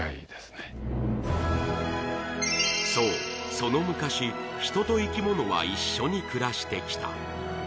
その昔人と生き物は一緒に暮らしてきた